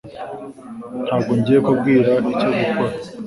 Ntabwo ngiye kubwira icyo gukora